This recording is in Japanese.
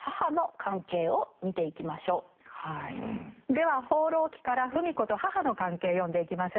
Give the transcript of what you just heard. では「放浪記」から芙美子と母の関係読んでいきましょう。